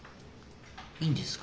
いいんですか？